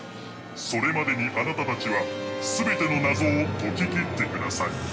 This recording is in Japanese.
それまでにあなたたちは全ての謎を解ききってください。